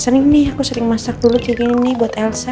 sering nih aku sering masak dulu curi ini buat elsa